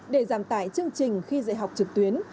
để giảm tải chương trình khi dạy học trực tuyến